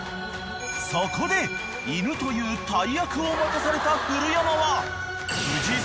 ［そこで犬という大役を任された古山は］